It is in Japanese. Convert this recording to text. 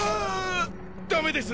ダメです。